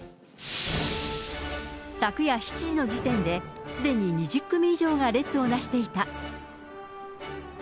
昨夜７時の時点で、すでに２０組以上が列をなしていた。